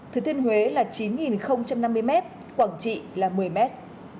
thừa thiên huế là chín năm mươi mét quảng trị là một mươi mét